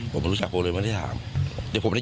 ผมไม่รู้จักผมเลยไม่ได้ถาม